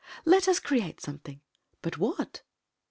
" Let us cre ate something. But what?"